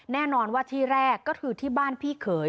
แน่นอนว่าที่แรกก็คือที่บ้านพี่เขย